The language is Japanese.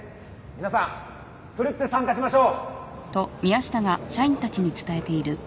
皆さん奮って参加しましょう！